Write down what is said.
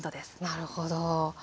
なるほど。